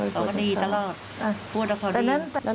เขาก็ดีตลอดพูดว่าขอดี